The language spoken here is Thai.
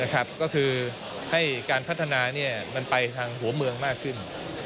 ก็คือให้การพัฒนามันไปทางหัวเมืองมากขึ้น